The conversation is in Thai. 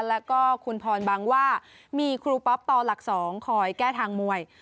แล้วก็คุณพรบางว่ามีครูปอ๊อปต่อหลัก๒คอยแก้ทางมวย